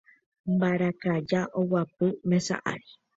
Mbarakaja oguapy mesa ári.